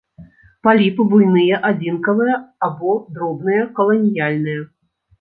Паліпы буйныя адзінкавыя або дробныя каланіяльныя.